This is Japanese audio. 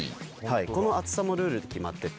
この厚さもルールで決まってて。